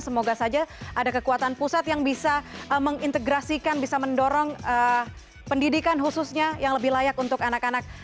semoga saja ada kekuatan pusat yang bisa mengintegrasikan bisa mendorong pendidikan khususnya yang lebih layak untuk anak anak